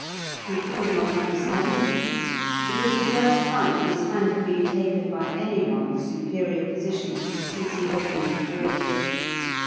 He could not understand it; it was the first time his hand had been taken by any one of superior position since he had been born.